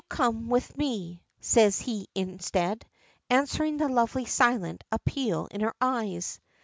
"Yes, come with me," says he instead, answering the lovely silent appeal in her eyes.